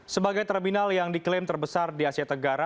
sebagai terminal yang diklaim terbesar di asia tenggara